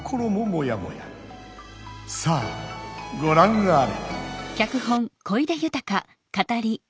さあごらんあれ！